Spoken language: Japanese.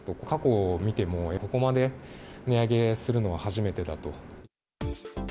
過去を見ても、ここまで値上げするのは初めてだと。